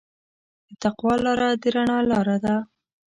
د تقوی لاره د رڼا لاره ده.